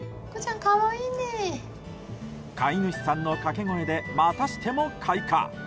飼い主さんの掛け声でまたしても開花。